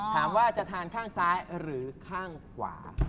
หมากลัว